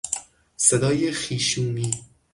صدای خیشومی